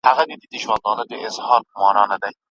څوك به تاو كړي د بابا بګړۍ له سره